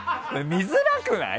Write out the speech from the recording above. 見づらくない？